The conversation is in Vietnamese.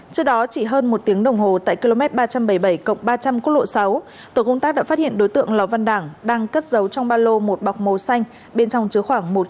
trước đó chỉ hơn một tiếng đồng hồ tại km ba trăm bảy mươi bảy ba trăm linh quốc lộ sáu tổ công tác đã phát hiện đối tượng lò văn đảng đang cất giấu trong ba lô một bọc màu xanh bên trong chứa khoảng một trăm linh triệu đồng